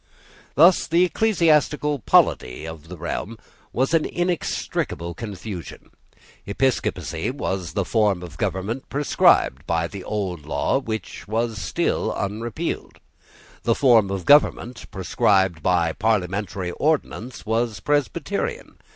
Thus the ecclesiastical polity of the realm was in inextricable confusion. Episcopacy was the form of government prescribed by the old law which was still unrepealed. The form of government prescribed by parliamentary ordinance was Presbyterian.